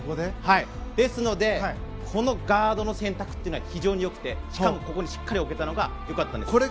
ですのでこのガードの選択というのは非常によくてしかもここにしっかり置けたのがよかったんです。